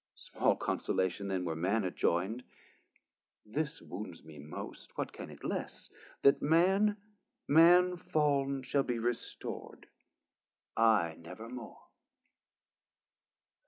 Small consolation then, were Man adjoyn'd: This wounds me most (what can it less) that Man, Man fall'n shall be restor'd, I never more.